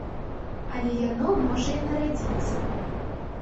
Але яно можа і нарадзіцца.